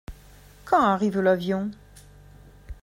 Quand arrive l’avion ?